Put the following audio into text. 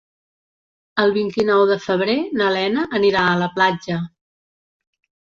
El vint-i-nou de febrer na Lena anirà a la platja.